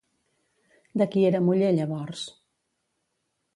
De qui era muller llavors?